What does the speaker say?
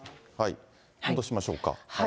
戻しましょうか。